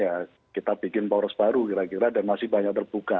ya kita bikin poros baru kira kira dan masih banyak terbuka